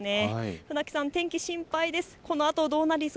船木さん、お天気心配です。